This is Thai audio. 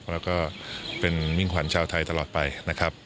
แล้วก็เป็นมิ่งขวัญชาวไทยตลอดไปนะครับ